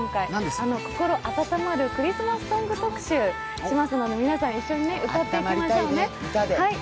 心温まるクリスマスソング特集しますので、皆さん、一緒に歌っていきましょうね。